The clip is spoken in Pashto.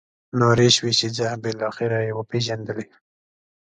نارې شوې چې ځه بالاخره یې وپېژندلې.